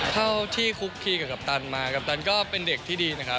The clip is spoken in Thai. เท่าที่คุกคีกับกัปตันมากัปตันก็เป็นเด็กที่ดีนะครับ